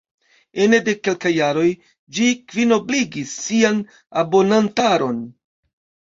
Ene de kelkaj jaroj ĝi kvinobligis sian abonantaron.